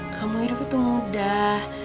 kamu hidup itu mudah